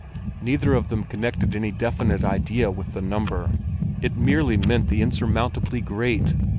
Neither of them connected any definite idea with the number; it merely meant the insurmountably great.